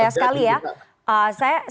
itu sangat berbahaya sekali ya